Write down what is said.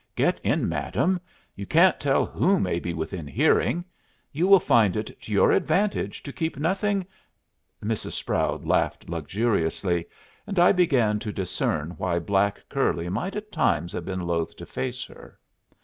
"Get in, madam. You can't tell who may be within hearing. You will find it to your advantage to keep nothing " Mrs. Sproud laughed luxuriously, and I began to discern why black curly might at times have been loath to face her.